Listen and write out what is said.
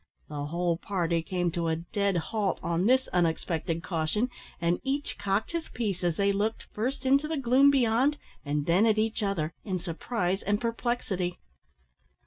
The whole party came to a dead halt on this unexpected caution, and each cocked his piece as they looked, first into the gloom beyond, and then at each other, in surprise and perplexity.